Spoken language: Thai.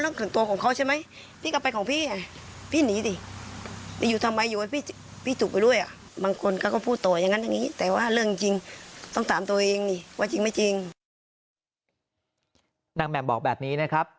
แหม่มบอกแบบนี้นะครับ